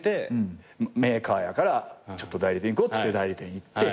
メーカーやから代理店行こうっつって代理店行って。